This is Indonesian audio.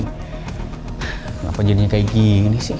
kenapa jadinya kayak gini sih